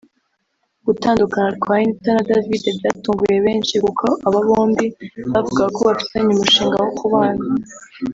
Gutandukana kwa Anita na David byatunguye benshi kuko aba bombi bavugaga ko bafitanye umushinga wo kubana